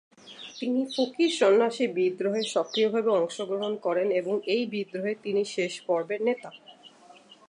তিনি ফকির-সন্ন্যাসী বিদ্রোহে সক্রিয়ভাবে অংশগ্রহণ করেন এবং এই বিদ্রোহের তিনি শেষ পর্বের নেতা।